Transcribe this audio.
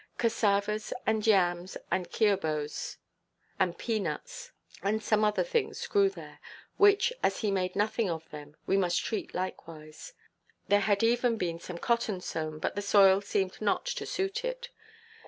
Cassavas, and yams, and kiobos, and pea–nuts, and some other things, grew there; which, as he made nothing of them, we must treat likewise. There had even been some cotton sown, but the soil seemed not to suit it.